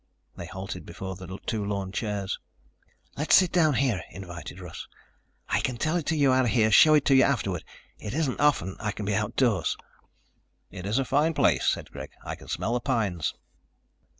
They halted before two lawn chairs. "Let's sit down here," invited Russ. "I can tell it to you out here, show it to you afterward. It isn't often I can be outdoors." "It is a fine place," said Greg. "I can smell the pines."